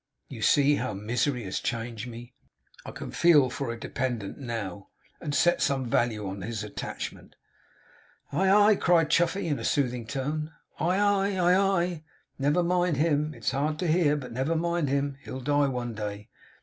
'You see how misery has changed me. I can feel for a dependant NOW, and set some value on his attachment.' 'Aye, aye!' cried Chuffey in a soothing tone. 'Aye, aye, aye! Never mind him. It's hard to hear, but never mind him. He'll die one day.